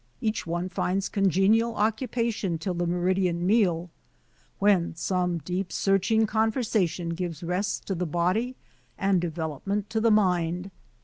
Each one finds con genial occupation till the meridian meal; when some deep searching conversation gives rest to the body and development to the mind.